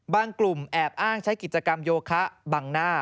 กลุ่มแอบอ้างใช้กิจกรรมโยคะบังหน้า